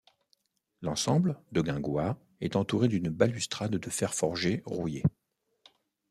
L'ensemble, de guingois, est entouré d'une balustrade de fer forgé rouillé.